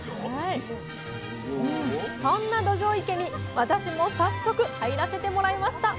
そんなどじょう池に私も早速入らせてもらいました！